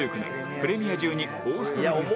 プレミア１２オーストラリア戦